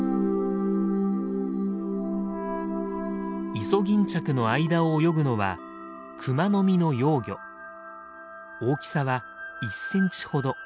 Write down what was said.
イソギンチャクの間を泳ぐのは大きさは１センチほど。